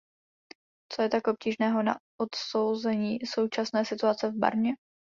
Co je tak obtížného na odsouzení současné situace v Barmě?